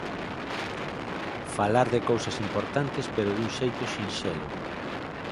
Falar de cousas importantes pero dun xeito sinxelo.